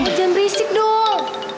jangan berisik dong